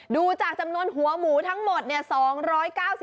ดูจากจำนวนหัวหมูทั้งหมดเนี่ย